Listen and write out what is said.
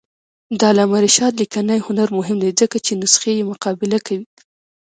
د علامه رشاد لیکنی هنر مهم دی ځکه چې نسخې مقابله کوي.